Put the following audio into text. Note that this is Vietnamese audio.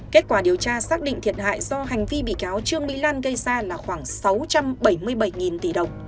kết quả điều tra xác định thiệt hại do hành vi bị cáo trương mỹ lan gây ra là khoảng sáu trăm bảy mươi bảy tỷ đồng